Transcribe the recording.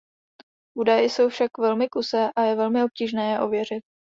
Údaje jsou však velmi kusé a je velmi obtížné je ověřit.